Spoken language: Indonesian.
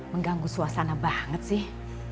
mengganggu suasana banget sih